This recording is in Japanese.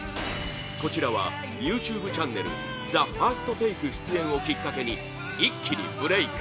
こちらは ＹｏｕＴｕｂｅ チャンネル「ＴＨＥＦＩＲＳＴＴＡＫＥ」出演をきっかけに一気にブレーク